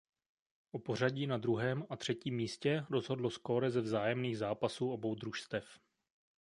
O pořadí na druhém a třetím místě rozhodlo skóre ze vzájemných zápasů obou družstev.